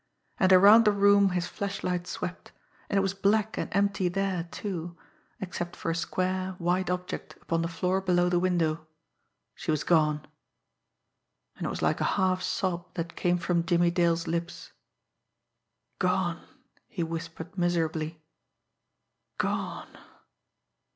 And around the room his flashlight swept, and it was black and empty there, too except for a square, white object upon the floor below the window. She was gone. And it was like a half sob that came from Jimmie Dale's lips. "Gone!" he whispered miserably. "Gone!"